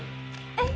えっ？